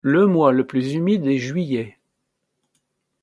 Le mois le plus humide est juillet.